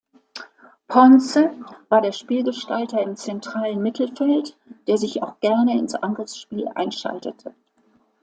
Ponce war der Spielgestalter im zentralen Mittelfeld, der sich auch gerne ins Angriffsspiel einschaltete.